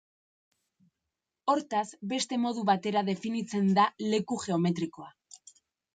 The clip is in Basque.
Hortaz, beste modu batera definitzen da leku geometrikoa.